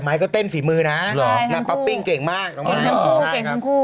แต่ไม๊ก็เต้นฝีมือนะน้องป๊อปปิ้งเก่งมากน้องไม๊ใช่ครับเก่งทั้งคู่